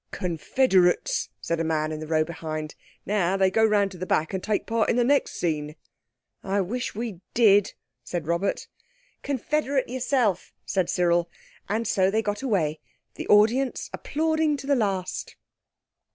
"Confederates!" said a man in the row behind. "Now they go round to the back and take part in the next scene." "I wish we did," said Robert. "Confederate yourself!" said Cyril. And so they got away, the audience applauding to the last.